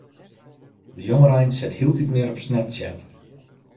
De jongerein sit hieltyd mear op Snapchat.